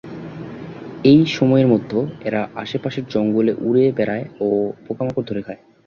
এই সময়ের মধ্যে এরা আশেপাশের জঙ্গলে উড়ে বেড়ায় ও পোকা-মাকড় ধরে খায়।